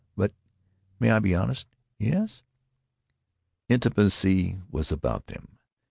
"But——May I be honest?" "Yes." Intimacy was about them.